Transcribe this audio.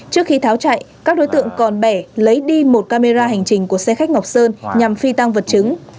trước khi tháo chạy các đối tượng còn bẻ lấy đi một camera hành trình của xe khách ngọc sơn nhằm phi tăng vật chứng